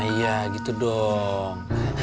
iya gitu dong